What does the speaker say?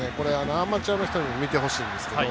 アマチュアの人にも出て行ってほしいんですけど。